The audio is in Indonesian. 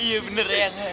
iya bener eyang